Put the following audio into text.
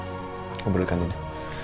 aku beli kantinnya